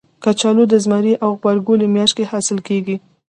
کچالو د زمري او غبرګولي میاشت کې حاصل کېږي